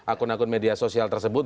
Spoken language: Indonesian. akun akun media sosial tersebut